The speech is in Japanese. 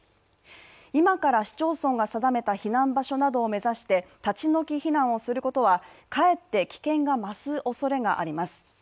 今から市町村が定めた避難場所などを目指して立ち退き避難をすることはかえって危険が増すおそれがあります。